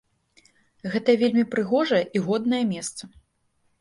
Гэта вельмі прыгожае і годнае месца.